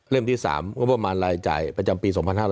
เริ่มที่๓งบประมาณรายจ่ายประจำปี